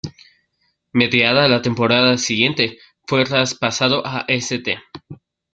Mediada la temporada siguiente fue traspasado a St.